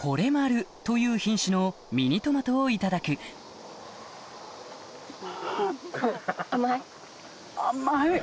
ほれまるという品種のミニトマトをいただく甘い？